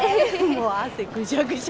もう汗ぐしゃぐしゃ。